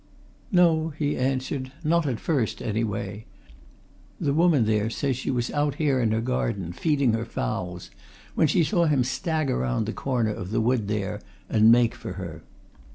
"No," he answered. "Not at first anyway. The woman there says she was out here in her garden, feeding her fowls, when she saw him stagger round the corner of the wood there, and make for her.